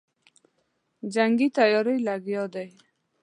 جنګي تیاریو لګیا دی.